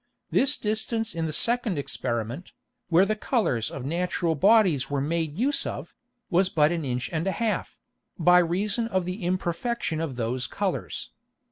This distance in the second Experiment, where the Colours of natural Bodies were made use of, was but an Inch and an half, by reason of the Imperfection of those Colours.